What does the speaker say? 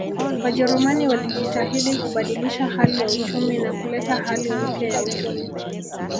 Wajerumani walijitahidi kubadilisha hali ya uchumi na kuleta hali mpya ya uchumi